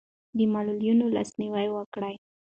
د معلولینو لاسنیوی وکړئ.